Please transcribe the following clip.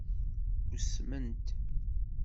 Usment.